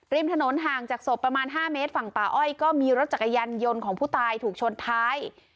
ริมถนนห่างจากศพประมาณ๕เมตรฝั่งป่าอ้อยก็มีรถจักรยานยนต์ของผู้ตายถูกชนท้าย